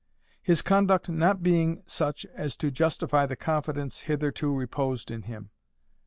his conduct not being such as to justify the confidence hitherto reposed in him.